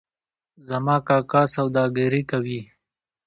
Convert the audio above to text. زما کاکا سوداګري کوي